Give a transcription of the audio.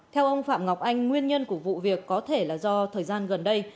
theo ông phạm ngọc anh nguyên nhân của vụ việc có thể là do thời gian gần đây